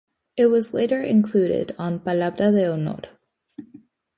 It was later included on "Palabra de Honor".